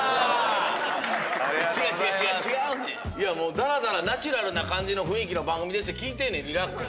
だらだらナチュラルな感じの雰囲気の番組ですって聞いてんねん。